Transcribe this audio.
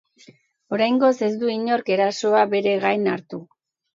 Oraingoz, ez du inork erasoa bere gain hartu.